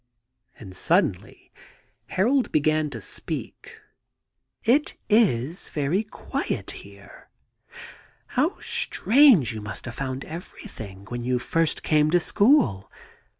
And suddenly Harold began to speak. * It is very quiet here. ... How strange you must have found everything when you first came to school!